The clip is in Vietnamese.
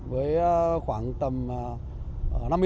với khoảng tầm